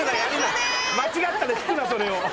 間違ったら引くなそれを。